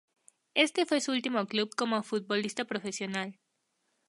Este fue su último club como futbolista profesional.